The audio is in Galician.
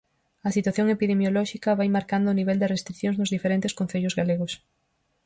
A situación epidemiolóxica vai marcando o nivel de restricións nos diferentes concellos galegos.